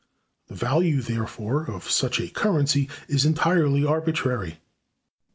The value, therefore, of such a currency is entirely arbitrary.